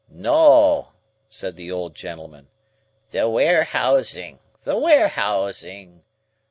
"No," said the old gentleman; "the warehousing, the warehousing.